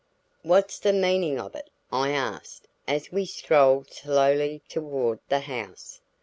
"What's the meaning of it?" I asked as we strolled slowly toward the house.